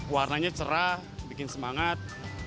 warnanya cerah bikin semangat